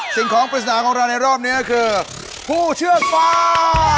สิ่งของปริศนาของเราในรอบนี้ก็คือผู้เชือกฟ้า